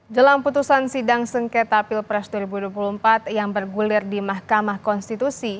jelang putusan sidang sengketa pilpres dua ribu dua puluh empat yang bergulir di mahkamah konstitusi